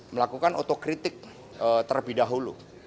melakukan otokritik terlebih dahulu